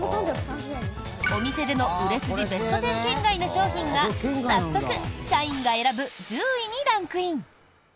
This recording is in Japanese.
お店での売れ筋ベスト１０圏外の商品が早速、社員が選ぶ１０位にランクイン。